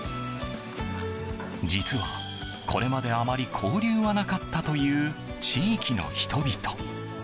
実は、これまであまり交流はなかったという地域の人々。